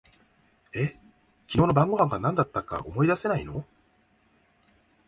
え、昨日の晩御飯が何だったか思い出せないの？